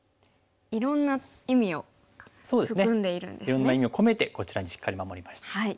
いろんな意味を込めてこちらにしっかり守りました。